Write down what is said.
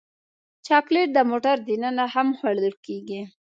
چاکلېټ د موټر دننه هم خوړل کېږي.